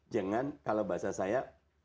jangan kalau bahasa saya